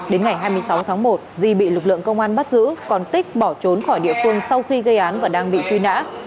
đến ngày hai mươi sáu tháng một di bị lực lượng công an bắt giữ còn tích bỏ trốn khỏi địa phương sau khi gây án và đang bị truy nã